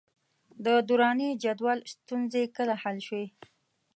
د دوراني جدول ستونزې کله حل شوې؟